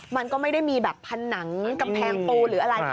มันก็ไม่ได้มีแบบผนังกำแพงปูหรืออะไร